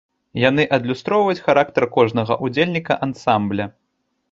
Яны адлюстроўваюць характар кожнага ўдзельніка ансамбля.